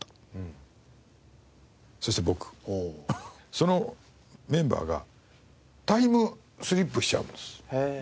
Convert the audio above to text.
そのメンバーがタイムスリップしちゃうんです。